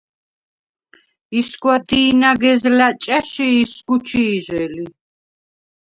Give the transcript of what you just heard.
ისგვა დი̄ნაგეზლა̈ ჭა̈ში ისგუ ჩი̄ჟე ლი.